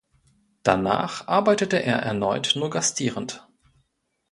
Danach arbeitete er erneut nur gastierend.